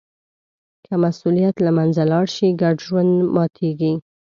که مسوولیت له منځه لاړ شي، ګډ ژوند ماتېږي.